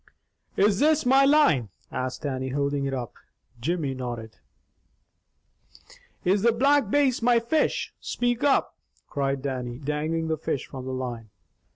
"Is this my line?" asked Dannie, holding it up. Jimmy nodded. "Is the Black Bass my fish? Speak up!" cried Dannie, dangling the fish from the line.